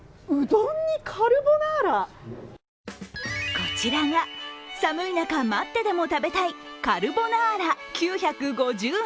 こちらが寒い中、待ってでも食べたいカルボナーラ、９５０円。